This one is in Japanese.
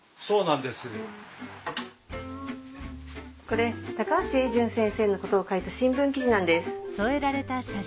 これ高橋榮順先生のことを書いた新聞記事なんです。